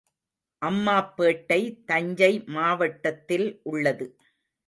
அம்மாப்பேட்டை தஞ்சை மாவட்டத்தில் உள்ளது.